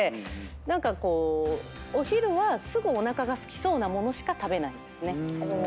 何かお昼はすぐおなかがすきそうな物しか食べないんですね。